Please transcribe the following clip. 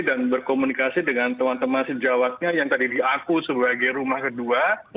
dan berkomunikasi dengan teman teman sejawatnya yang tadi diaku sebagai rumah kedua